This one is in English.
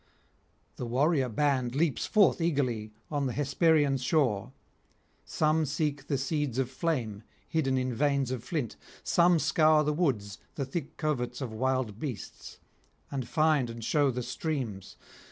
The warrior band leaps forth eagerly on the Hesperian shore; some seek the seeds of flame hidden in veins of flint, some scour the woods, the thick coverts of wild beasts, and find and shew the streams.